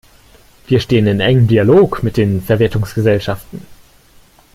Wir stehen in engem Dialog mit den Verwertungsgesellschaften.